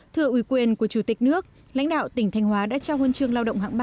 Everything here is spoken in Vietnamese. thưa ủy quyền của chủ tịch nước lãnh đạo tỉnh thanh hóa đã trao huân chương lao động hạng ba